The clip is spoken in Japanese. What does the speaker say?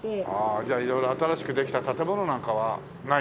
じゃあ新しくできた建物なんかはないんだね？